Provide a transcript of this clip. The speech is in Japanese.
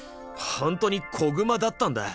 ほんとに小熊だったんだ！